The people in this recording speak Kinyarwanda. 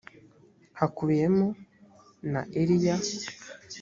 hakubiyemo na eliya .